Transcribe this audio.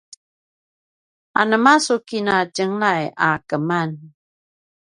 anema su kina tjenglay a keman?